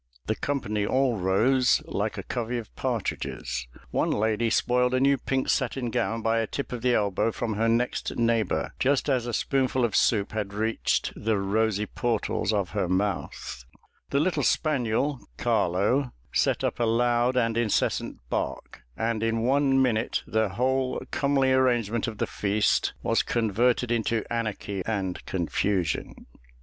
The company all rose, like a covey of partridges: one lady spoiled a new pink satin gown by a tip of the elbow from her next neighbour, just as a spoonful of soup had reached "the rosy portals of her mouth;" the little spaniel, Carlo, set up a loud and incessant bark; and in one minute the whole comely arrangement of the feast was converted into anarchy and confusion.